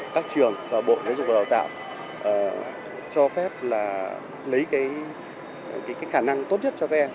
các trường và bộ giáo dục và đào tạo cho phép là lấy cái khả năng tốt nhất cho các em